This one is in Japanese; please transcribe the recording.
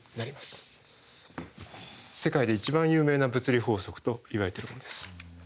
世界で一番有名な物理法則といわれてるものです。